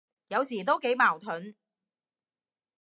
有時都幾矛盾，